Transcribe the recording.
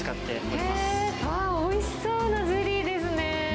おいしそうなゼリーですね。